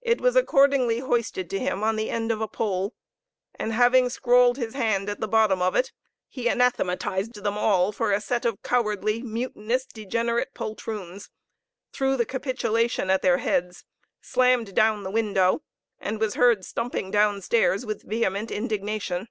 It was accordingly hoisted to him on the end of a pole, and having scrawled his hand at the bottom of it, he anathematised them all for a set of cowardly, mutinous, degenerate poltroons threw the capitulation at their heads, slammed down the window, and was heard stumping downstairs with vehement indignation.